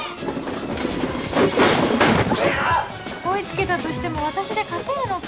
追い付けたとしても私で勝てるのか？